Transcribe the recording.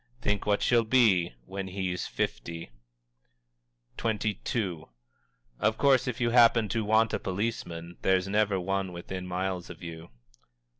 Think what she'll be, when he's fifty!_" XXII. "_Of course if you happen to want a policeman, there's never one within miles of you.